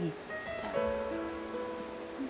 ใช่